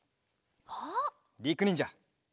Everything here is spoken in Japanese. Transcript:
りくにんじゃ！